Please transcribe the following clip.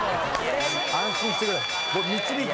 安心してください。